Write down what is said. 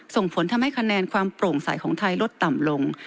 ส่งผลทำให้คะแนนความโปร่งใสของไทยลดต่ำลง